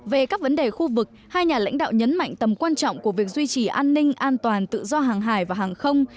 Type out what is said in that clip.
về các vấn đề khu vực hai nhà lãnh đạo nhấn mạnh tầm quan trọng của việc duy trì an ninh an toàn tự do hàng hải và hàng không